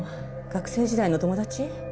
学生時代の友達？